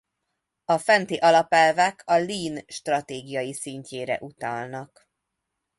A fenti alapelvek a lean stratégai szintjére utalnak.